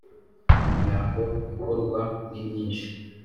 imihango ikorwa nimyishi.